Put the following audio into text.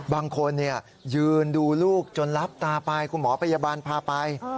บางคนยืนดูลูกจนรับตาไปคุณหมอพยาบาลพาไป